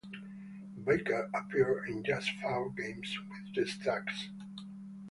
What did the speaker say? Baker appeared in just four games with the Stags.